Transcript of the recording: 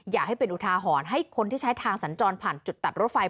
อยากให้เป็นอุทาหรณ์ให้คนที่ใช้ทางสัญจรผ่านจุดตัดรถไฟ